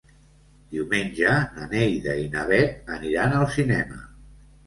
Diumenge na Neida i na Bet aniran al cinema.